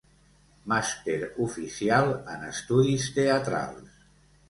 Màster oficial en Estudis teatrals.